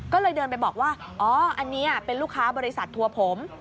ก็เลยเดินไปบอกว่าอ๋ออันนี้เป็นลูกค้าบริษัททัวร์ผม